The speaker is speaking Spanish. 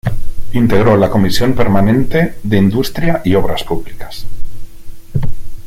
Integró la Comisión permanente de Industria y Obras Públicas.